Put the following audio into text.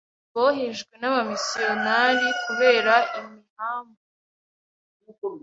bohejwe n’aba missionaires kubera imhamvu